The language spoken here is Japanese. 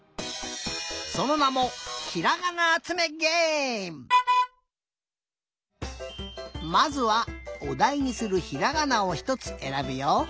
そのなもまずはおだいにするひらがなをひとつえらぶよ。